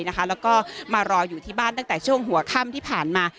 แล้วก็มารออยู่ที่บ้านตั้งแต่ช่วงหัวค่ำที่ผ่านมา